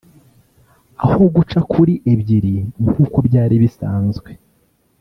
aho guca kuri ebyiri nk’uko byari bisanzwe